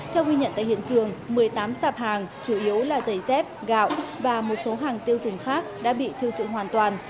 theo ghi nhận tại hiện trường một mươi tám sạp hàng chủ yếu là giày dép gạo và một số hàng tiêu dùng khác đã bị thiêu dụi hoàn toàn